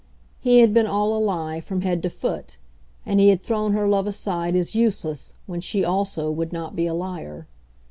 He had been all a lie from head to foot; and he had thrown her love aside as useless when she also would not be a liar.